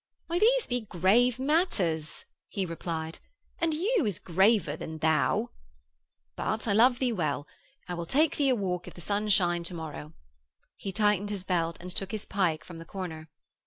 "' 'Why, these be grave matters,' he replied, 'and "you" is graver than "thou." But I love thee well. I will take thee a walk if the sun shine to morrow.' He tightened his belt and took his pike from the corner.